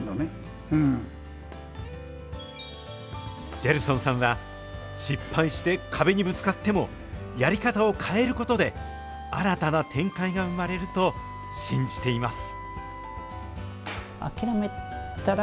ジェルソンさんは、失敗して壁にぶつかっても、やり方を変えることで、新たな展開が生まれると信じています。